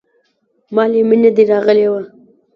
مالې مينه دې راغلې وه.